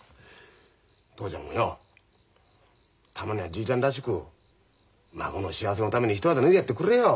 父ちゃんもよたまにはじいちゃんらしく孫の幸せのために一肌脱いでやってくれよ。